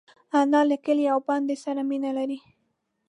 انا له کلي او بانډې سره مینه لري